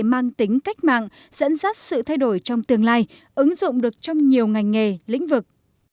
mang tính cách mạng dẫn dắt sự thay đổi trong tương lai ứng dụng được trong nhiều ngành nghề lĩnh vực